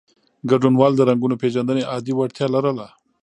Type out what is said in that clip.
ګډونوالو د رنګونو پېژندنې عادي وړتیا لرله.